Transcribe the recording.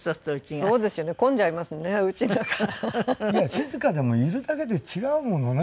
静かでもいるだけで違うものね